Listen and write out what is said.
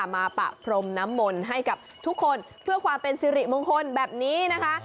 มาปะพรมน้ำมนต์ให้กับทุกคนเพื่อความเป็นสิริมงคลแบบนี้นะคะ